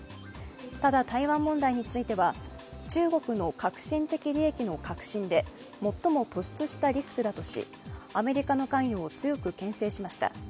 ただ台湾問題については、中国の核心的利益の核心で、最も突出したリスクだとし、アメリカの関与を強くけん制しました。